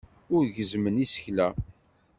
Ur gezzmen isekla.